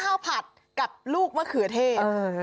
ผัดกับลูกมะเขือเทศ